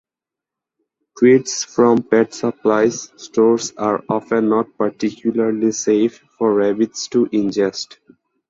Treats from pet supplies stores are often not particularly safe for rabbits to ingest.